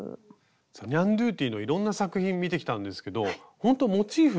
さあニャンドゥティのいろんな作品見てきたんですけどほんとモチーフ。